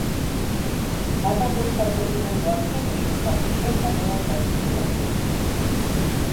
ვადამდელ საპრეზიდენტო არჩევნებში მხარს უჭერდა ლევან გაჩეჩილაძეს.